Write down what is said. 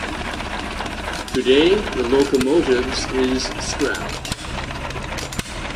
Today the locomotives is scrapped.